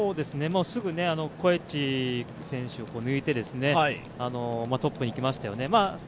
すぐコエチ選手を抜いてトップにいきましたよね。